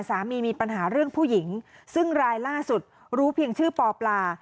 มีปัญหาเรื่องผู้หญิงซึ่งรายล่าสุดรู้เพียงชื่อปอปลา